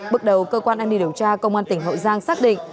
bước đầu cơ quan an ninh điều tra công an tỉnh hậu giang xác định